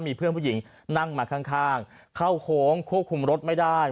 มีเพื่อนผู้หญิงนั่งมาข้างเข้าโค้งควบคุมรถไม่ได้